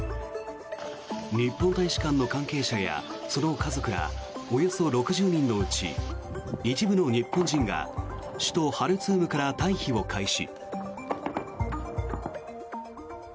日本大使館の関係者やその家族らおよそ６０人のうち一部の日本人が首都ハルツームから退避を開始。